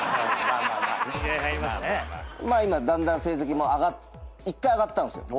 今だんだん成績も１回上がったんですよ。